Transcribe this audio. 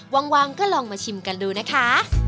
ว่างก็ลองมาชิมกันดูนะคะ